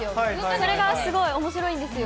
それがすごいおもしろいんですよ。